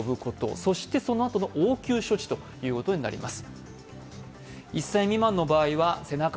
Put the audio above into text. そして、そのあとの応急処置ということになります。